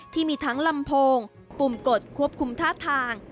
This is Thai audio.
ที่มีทั้งลำโพงปุ่มกดควบคุมท่าทาง